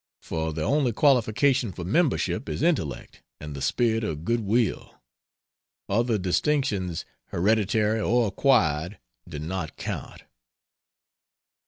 For the only qualification for Membership is intellect and the spirit of good will; other distinctions, hereditary or acquired, do not count.